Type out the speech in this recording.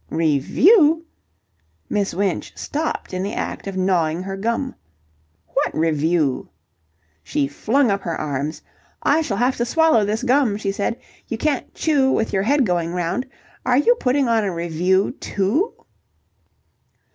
"Revue?" Miss Winch stopped in the act of gnawing her gum. "What revue?" She flung up her arms. "I shall have to swallow this gum," she said. "You can't chew with your head going round. Are you putting on a revue too?"